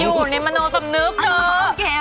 อยู่ในมนุษย์สำนึกเธอ